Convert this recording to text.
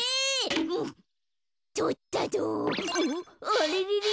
あれれれ。